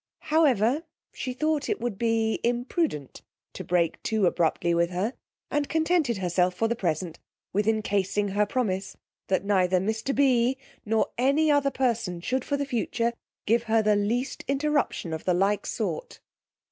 However, she thought it would be imprudent to break too abruptly with her, and contented herself for the present with encasing her promise that neither mr. B n, nor any other person should for the future give her the least interruption of the like sort.